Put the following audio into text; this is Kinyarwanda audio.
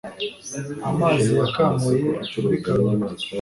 amazi yakamuye muri karoti